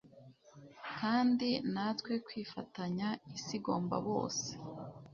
kandi, natwe kwifatanya, isi igomba bose